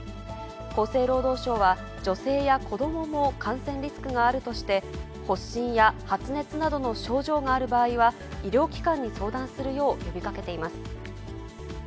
厚生労働省は、女性や子どもも感染リスクがあるとして、発疹や発熱などの症状がある場合は、医療機関に相談するよう呼びかけています。